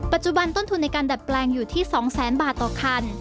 ปัจจุบันต้นทุนในการดัดแปลงอยู่ที่๒แสนบาทต่อคัน